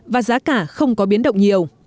và giá cả không có biến động nhiều